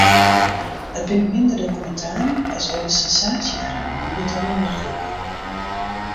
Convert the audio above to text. It binne minder de kommentaren as wol de sensaasjeferhalen dy't de oandacht lûke.